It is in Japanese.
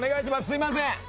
すいません。